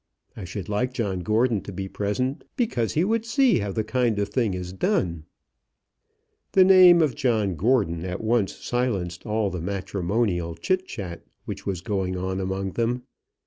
I should like John Gordon to be present, because he would see how the kind of thing is done." The name of John Gordon at once silenced all the matrimonial chit chat which was going on among them.